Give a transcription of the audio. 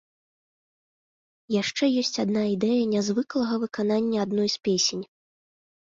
Яшчэ ёсць адна ідэя нязвыклага выканання адной з песень.